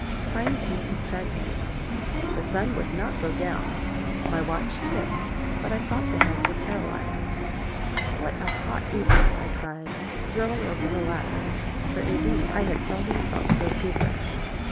Time seemed to stagnate; the sun would not go down; my watch ticked, but I thought the hands were paralyzed. "What a hot evening!" I cried, throwing open the lattice; for, indeed, I had seldom felt so feverish.